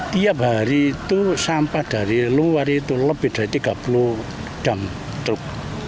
tiap hari itu sampah dari luar itu lebih dari tiga puluh dam truk